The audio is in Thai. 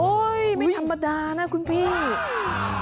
ไม่ธรรมดานะคุณพี่